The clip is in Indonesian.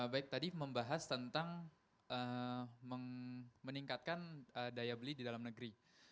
baik tadi membahas tentang meningkatkan daya beli di dalam negeri